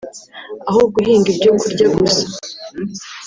aho guhinga ibyo kurya gusa